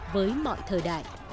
với mọi thời đại